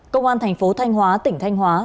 công an thành phố thanh hóa tỉnh thanh hóa